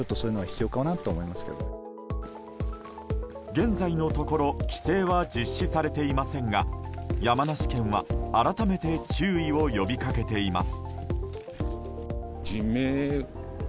現在のところ規制は実施されていませんが山梨県は改めて注意を呼び掛けています。